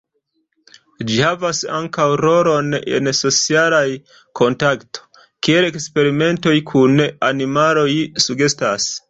Ĝi havas ankaŭ rolon en socialaj kontakto, kiel eksperimentoj kun animaloj sugestas.